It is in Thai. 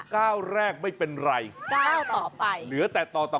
ก้าวแรกไม่เป็นไรก้าวต่อไปเหลือแต่ต่อต่อ